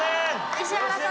石原さん